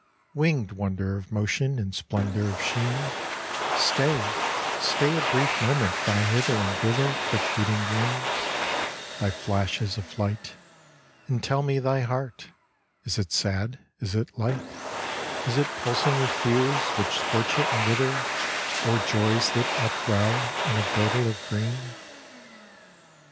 Winged wonder of motion In splendor of sheen, Stay, stay a brief moment Thy hither and thither Quick beating wings, Thy flashes of flight; And tell me thy heart, Is it sad, is it light, Is it pulsing with fears Which scorch it and wither, Or joys that up well In a girdle of green?